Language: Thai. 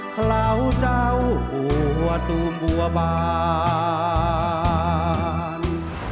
เคลาวเจ้าหัวตูมบัวบาน